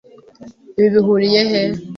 Ibi bihuriye he?